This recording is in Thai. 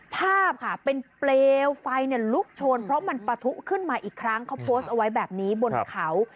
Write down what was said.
ภาพค่ะเป็นเปลวไฟลุกโชนเพราะมันปะทุขึ้นมาอีกครั้งเขาโพสต์เอาไว้แบบนี้บนเขา